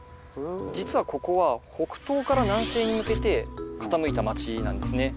実はここは北東から南西に向けて傾いた町なんですね。